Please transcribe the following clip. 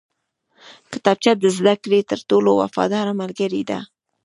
کتابچه د زده کړې تر ټولو وفاداره ملګرې ده